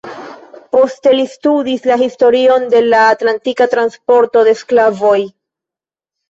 Poste li studis la historion de la atlantika transporto de sklavoj.